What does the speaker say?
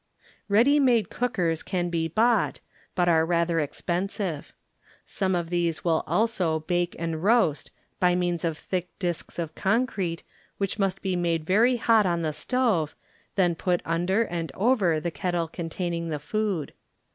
Ready made cookers can be bought, but are rather expensive. Some of these will also bake and roast hy means of thick disks of concrete which must be made very hot on the stove, then put under and over the kettle containing the food.